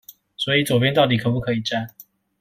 所以左邊到底可不可以站